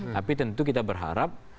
tapi tentu kita berharap